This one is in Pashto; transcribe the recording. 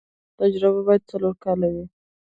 تجربه باید څلور کاله وي.